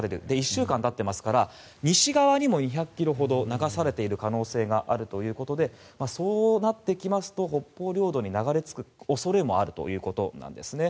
１週間経っていますから西側にも２００ｋｍほど流されている可能性があるということでそうなってきますと北方領土に流れ着く恐れもあるということです。